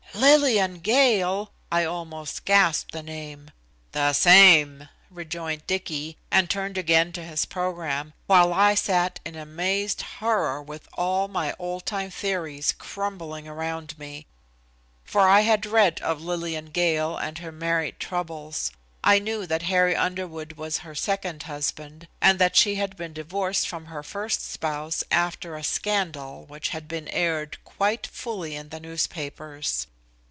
"Lillian Gale!" I almost gasped the name. "The same," rejoined Dicky, and turned again to his program, while I sat in amazed horror, with all my oldtime theories crumbling around me. For I had read of Lillian Gale and her married troubles. I knew that Harry Underwood was her second husband and that she had been divorced from her first spouse after a scandal which has been aired quite fully in the newspapers.